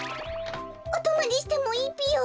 おとまりしてもいいぴよ？